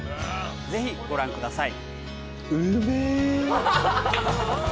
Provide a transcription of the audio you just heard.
［ぜひご覧ください］